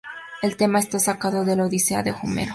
El tema está sacado de la "Odisea" de Homero.